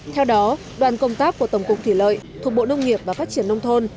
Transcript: theo đó đoàn công tác của tổng cục thủy lợi thuộc bộ nông nghiệp và phát triển nông thôn